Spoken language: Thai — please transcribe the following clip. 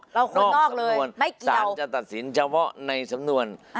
คนนอกเลยสารจะตัดสินเฉพาะในสำนวน